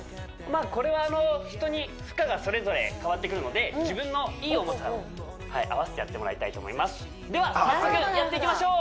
これは人に負荷がそれぞれ変わってくるので自分のいい重さを合わせてやってもらいたいと思いますでは早速やっていきましょう